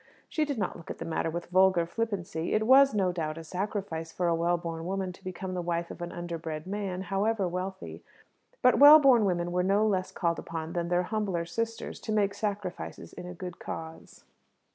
She did not look at the matter with vulgar flippancy. It was, no doubt, a sacrifice for a well born woman to become the wife of an underbred man, however wealthy. But well born women were no less called upon than their humbler sisters to make sacrifices in a good cause.